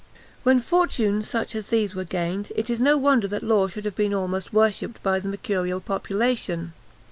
When fortunes such as these were gained, it is no wonder that Law should have been almost worshipped by the mercurial population.